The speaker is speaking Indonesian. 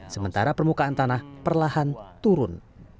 sementara permukaan tanah perlahan turun